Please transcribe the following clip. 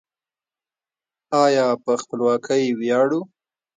آیا په خپلواکۍ ویاړو؟